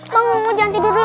bangun jangan tidur dulu